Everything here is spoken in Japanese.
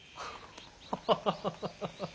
ハハハハハ。